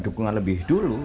dukungan lebih dulu